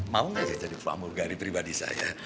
mau nggak saya jadi pramugari pribadi saya